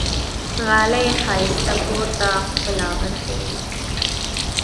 غالۍ ښایسته کور ته ښکلا ورکوي.